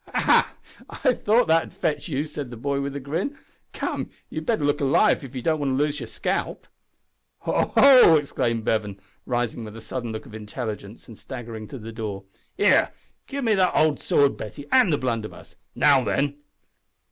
"Ha! I thought that 'ud fetch you," said the boy, with a grin. "Come, you'd better look alive if you don't want to lose yer scalp." "Ho! ho!" exclaimed Bevan, rising with a sudden look of intelligence and staggering to the door, "here, give me the old sword, Betty, and the blunderbuss. Now then."